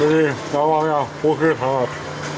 ini bawahnya pukis sangat